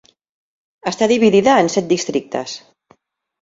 Està dividida en set districtes.